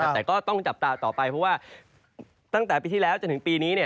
แต่ก็ต้องจับตาต่อไปเพราะว่าตั้งแต่ปีที่แล้วจนถึงปีนี้